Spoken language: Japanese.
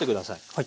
はい。